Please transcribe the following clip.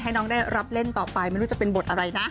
น้องได้รับเล่นต่อไปไม่รู้จะเป็นบทอะไรนะ